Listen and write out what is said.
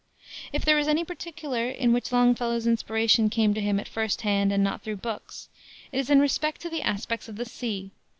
If there is any particular in which Longfellow's inspiration came to him at first hand and not through books, it is in respect to the aspects of the sea.